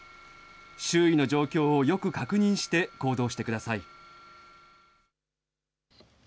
周囲の状況をよく確認して行動してください。